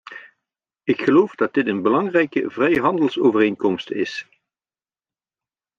Ik geloof dat dit een belangrijke vrijhandelsovereenkomst is.